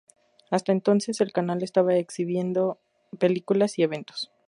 Hasta entonces, el canal estaba exhibiendo películas y eventos.